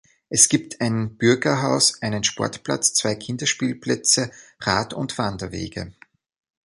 Es gibt ein Bürgerhaus, einen Sportplatz, zwei Kinderspielplätze, Rad- und Wanderwege.